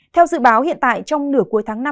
theo dự báo hiện tại trong nửa cuối tháng năm